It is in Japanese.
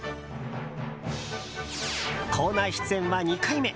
コーナー出演は２回目。